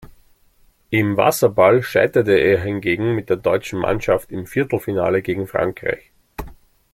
Im Wasserball scheiterte er hingegen mit der deutschen Mannschaft im Viertelfinale gegen Frankreich.